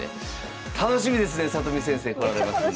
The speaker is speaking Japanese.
楽しみですね里見先生来られますんで。